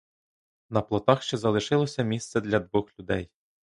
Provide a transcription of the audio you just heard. На плотах ще залишалося місце для двох людей.